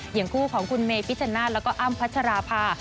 อย่างคู่ของคุณเมพิชชนาธิ์แล้วก็อ้ำพัชราภา